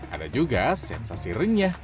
ada juga sensasi renyah